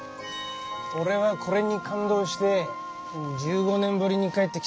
俺はこれに感動して１５年ぶりに帰ってきたんだ。